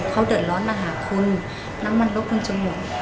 เค้าเดินรอดมาหาคุณน้ำมันลบขนาดจมูก